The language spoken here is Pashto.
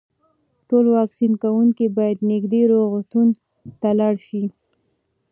ټول واکسین کوونکي باید نږدې روغتون ته لاړ شي.